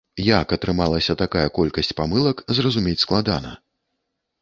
Як атрымалася такая колькасць памылак, зразумець складана.